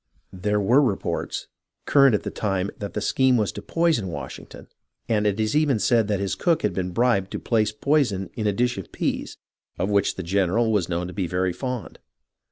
There were reports current at the time that the scheme was to poison Washington, and it is even said that his cook had been bribed to place poison in a dish of peas, of which the general was known to be very fond.